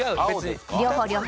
両方両方。